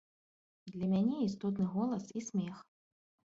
Для мяне істотны голас і смех.